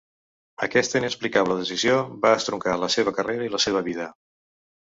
Aquesta inexplicable decisió va estroncar la seva carrera i la seva vida.